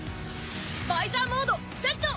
バイザーモードセット！